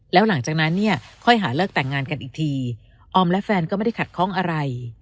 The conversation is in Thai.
แล้วหลังจากนั้นเนี่ยค่อยหาเลิกแต่งงานกันอีกทีออมและแฟนก็ไม่ได้ขัดข้องอะไร